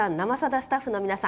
スタッフの皆さん